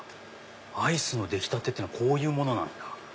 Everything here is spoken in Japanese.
アイスの出来たてってこういうものなんだ。